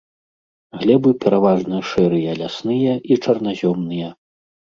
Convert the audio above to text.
Глебы пераважна шэрыя лясныя і чарназёмныя.